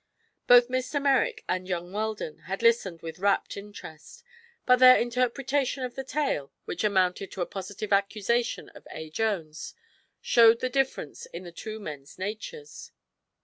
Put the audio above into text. Both Mr. Merrick and young Weldon had listened with rapt interest, but their interpretation of the tale, which amounted to a positive accusation of A. Jones, showed the difference in the two men's natures.